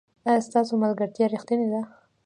ایا ستاسو ملګرتیا ریښتینې ده؟